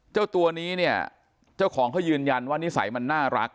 เจ้าตัวนี้เนี่ยเจ้าของเขายืนยันว่านิสัยมันน่ารัก